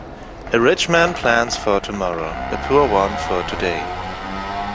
A rich man plans for tomorrow, a poor one for today.